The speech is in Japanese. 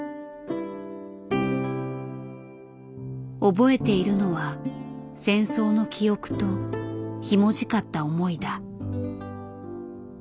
覚えているのは戦争の記憶とひもじかった思いだ。